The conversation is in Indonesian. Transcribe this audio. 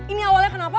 ini awalnya kenapa